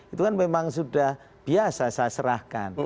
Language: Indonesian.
itu kan memang sudah biasa saya serahkan